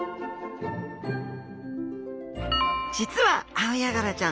実はアオヤガラちゃん